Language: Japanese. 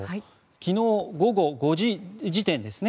昨日午後５時時点ですね。